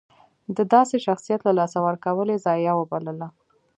د داسې شخصیت له لاسه ورکول یې ضایعه وبلله.